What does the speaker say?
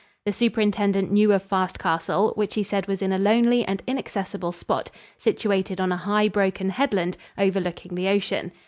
The superintendent knew of Fast Castle, which he said was in a lonely and inaccessible spot, situated on a high, broken headland overlooking the ocean.